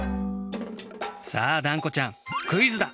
さあダンコちゃんクイズだ！